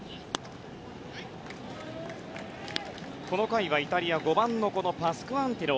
この回はイタリア５番のパスクアンティノ。